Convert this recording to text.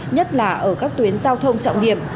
nhất là ở các tuyến giao thông trọng điểm